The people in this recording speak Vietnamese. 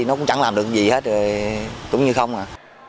nó cũng chẳng làm được gì hết rồi cũng như không à